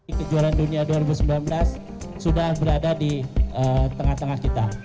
di kejuaraan dunia dua ribu sembilan belas sudah berada di tengah tengah kita